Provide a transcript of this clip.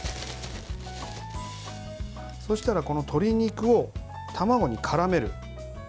そうしたらこの鶏肉を卵にからめる。